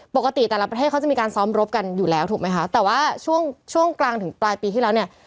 ปกติแต่ละประเทศเขาจะมีการซ้อมรบกันอยู่แล้วถูกไหมคะแต่ว่าช่วงช่วงกลางถึงปลายปีที่แล้วเนี่ย